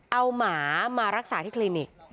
เอาหมามารักษาที่คลินิก